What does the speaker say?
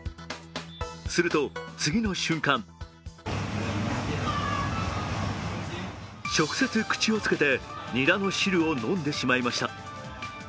すると、次の瞬間直接口をつけてニラの汁を飲んでしまいました。